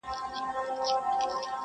• خو وجدان يې نه پرېږدي تل,